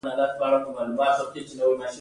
دا تحمیل د ښه او بد ژوند په اړه وي.